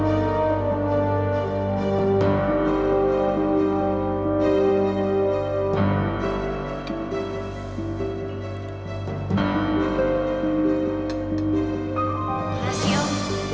terima kasih om